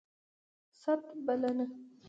ست ... بلنه